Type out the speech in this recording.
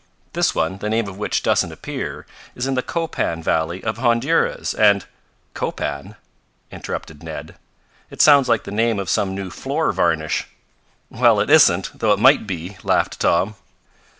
This one, the name of which doesn't appear, is in the Copan valley of Honduras, and " "Copan," interrupted Ned. "It sounds like the name of some new floor varnish." "Well, it isn't, though it might be," laughed Tom.